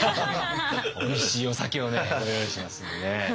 おいしいお酒をねご用意しますんでね。